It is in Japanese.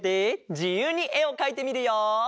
じゆうにえをかいてみるよ！